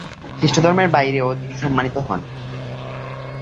খ্রিস্টধর্মের বাইরেও যিশু সম্মানিত হন।